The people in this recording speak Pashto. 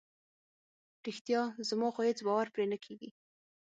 رښتیا؟ زما خو هیڅ باور پرې نه کیږي.